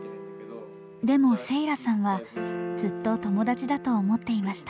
でも聖良さんはずっと友達だと思っていました。